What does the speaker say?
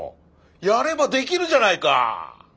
やればできるじゃないか。